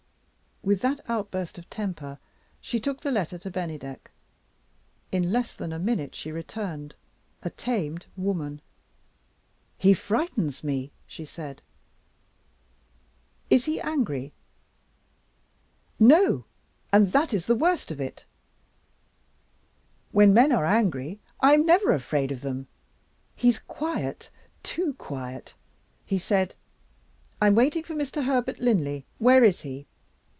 With that outburst of temper, she took the letter to Bennydeck. In less than a minute she returned, a tamed woman. "He frightens me," she said. "Is he angry?" "No and that is the worst of it. When men are angry, I am never afraid of them. He's quiet, too quiet. He said: 'I'm waiting for Mr. Herbert Linley; where is he?